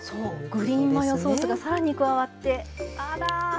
グリーンマヨソースがさらに加わって。